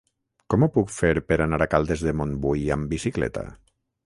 Com ho puc fer per anar a Caldes de Montbui amb bicicleta?